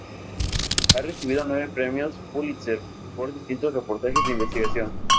Ha recibido nueve premios Pulitzer por distintos reportajes de investigación.